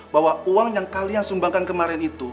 bahwa uang yang kalian sumbangkan kemarin itu